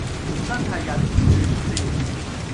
真係忍唔住唔笑